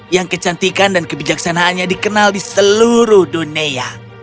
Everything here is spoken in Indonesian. yang kecantikan dan kebijaksanaannya dikenal di seluruh dunia